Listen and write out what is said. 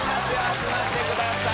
集まってください